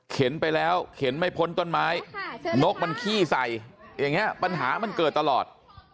ไปแล้วเข็นไม่พ้นต้นไม้นกมันขี้ใส่อย่างนี้ปัญหามันเกิดตลอด